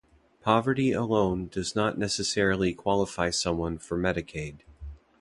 Poverty alone does not necessarily qualify someone for Medicaid.